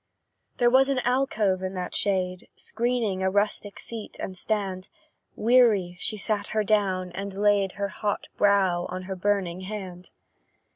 There was an alcove in that shade, Screening a rustic seat and stand; Weary she sat her down, and laid Her hot brow on her burning hand.